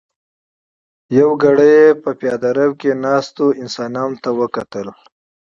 يوه شېبه يې په پياده رو کې ناستو بنيادمانو ته وکتل.